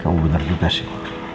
kamu benar juga sih